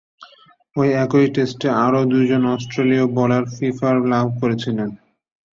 ঐ একই টেস্টে আরও দুইজন অস্ট্রেলীয় বোলার ফিফার লাভ করেছিলেন।